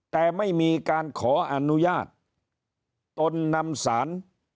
แต่ไม่มีการขออนุญาตตนนำสาร